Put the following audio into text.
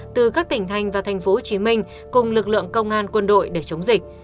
từ các tỉnh thành và tp hcm cùng lực lượng công an quân đội để chống dịch